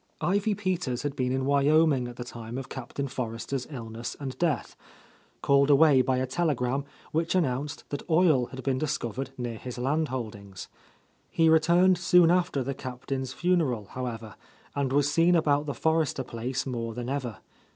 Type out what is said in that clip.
Ivy Peters had been in Vj/yomlng at the time of Captain Forrester's HTness anS 3eath, — called away by a telegram which announced that oil had been discovered near his land holdings. He returned soon after the Captain's funeral, how ever, and was seen about the Forrester place more than ever.